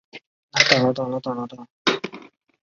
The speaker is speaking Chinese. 中国科学院院士。